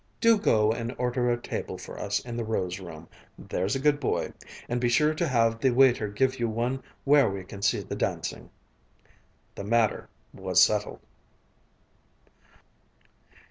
"Do go and order a table for us in the Rose Room, there's a good boy. And be sure to have the waiter give you one where we can see the dancing." The matter was settled.